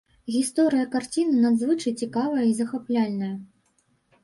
Гісторыя карціны надзвычай цікавая і захапляльная.